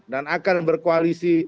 dan akan berkoalisi